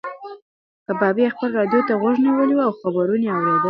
کبابي خپلې راډیو ته غوږ نیولی و او خبرونه یې اورېدل.